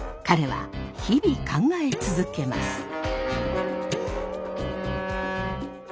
彼は日々考え続けます。